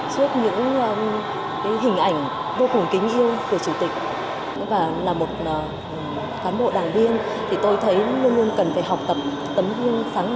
trước những hình ảnh vô cùng kính yêu của chủ tịch